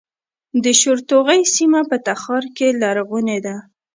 د شورتوغۍ سیمه په تخار کې لرغونې ده